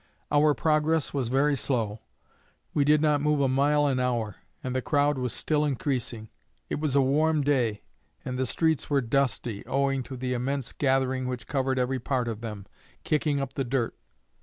Our progress was very slow; we did not move a mile an hour, and the crowd was still increasing. It was a warm day, and the streets were dusty, owing to the immense gathering which covered every part of them, kicking up the dirt.